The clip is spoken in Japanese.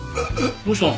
どうしたの？